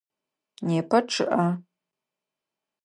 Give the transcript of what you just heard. Непэ чъыӏэ.